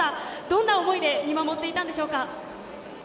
どんな思いで見守っていたんでしょうか。